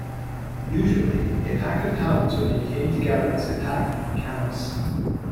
Usually, a pack of hounds are maintained together as a pack in kennels.